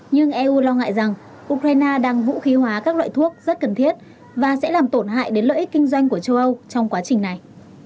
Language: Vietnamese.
nhưng eu lo ngại rằng ukraine đang vũ khí hóa các loại thuốc rất cần thiết và sẽ làm tổn hại đến lợi ích kinh doanh của châu âu trong quá trình này